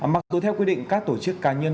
mặc dù theo quy định các tổ chức cá nhân